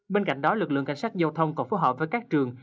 bên cạnh đó lực lượng cảnh sát giao thông còn phù hợp với các trường